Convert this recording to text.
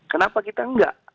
kenapa kita enggak